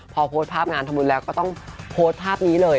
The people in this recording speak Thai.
พอพดงานทำบุญมาแล้วก็ต้องพดภาพนี้เลย